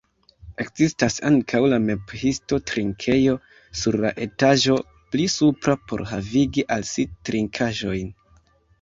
Ekzistas ankaŭ la Mephisto-trinkejo sur la etaĝo pli supra por havigi al si trinkaĵojn.